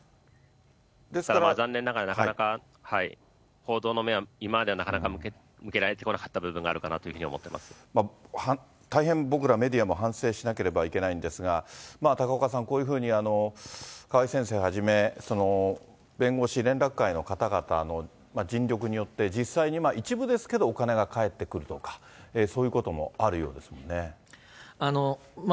残念ながらなかなか報道の目は、今まではなかなか向けられてこなかった部分があるかなというふう大変僕ら、メディアも反省しなければいけないんですが、高岡さん、こういうふうに川井先生はじめ、弁護士連絡会の方々の尽力によって、実際に一部ですけど、お金が返ってくるとか、そういうこともあるようですよね。